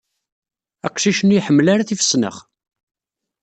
Aqcic-nni ur iḥemmel tifesnax.